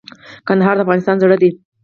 کندهار د افغانستان زړه دي